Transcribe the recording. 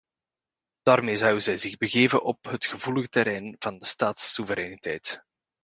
Daarmee zou zij zich begeven op het gevoelige terrein van de staatssoevereiniteit.